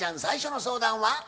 最初の相談は？